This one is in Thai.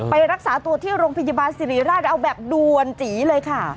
ไปรักษาตัวที่โรงพยาบาลสิริราชเอาแบบด่วนจีเลยค่ะ